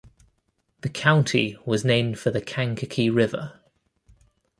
The County was named for the Kankakee River.